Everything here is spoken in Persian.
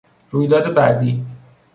رویداد بعدی